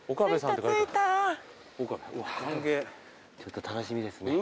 ちょっと楽しみですね。